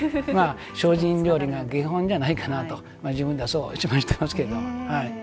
精進料理が基本じゃないかなと自分ではそう思ってますけど。